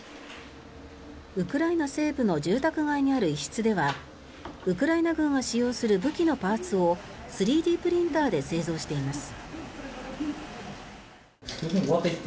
ウクライナ西部の住宅街にある一室ではウクライナ軍が使用する武器のパーツを３Ｄプリンターで製造しています。